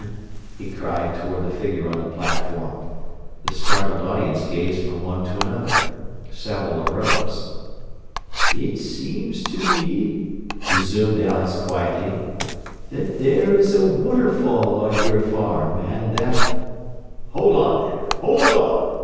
he cried toward the figure on the platform. The startled audience gazed from one to another. Several arose. "It seems to me," resumed Alex quietly, "that there is a waterfall on your farm, and that " "Hold on there! Hold on!"